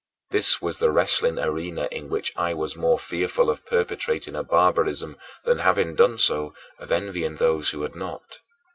This was the wrestling arena in which I was more fearful of perpetrating a barbarism than, having done so, of envying those who had not.